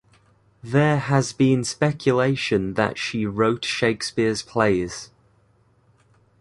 There has been speculation that she wrote Shakespeare's plays.